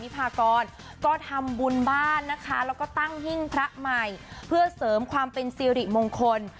พระใหม่เพื่อเสริมความเป็นสิริมงคล